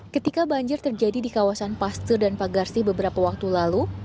ketika banjir terjadi di kawasan pasteur dan pagarsi beberapa waktu lalu